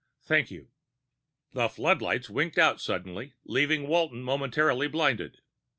Thank you." The floodlights winked out suddenly, leaving Walton momentarily blinded.